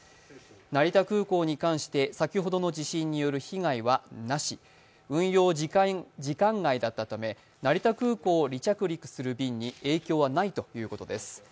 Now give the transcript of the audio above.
成田空港に関して先ほどの地震に関する被害はなし、運用時間外だったため、成田空港を離着陸する便に影響はないということです。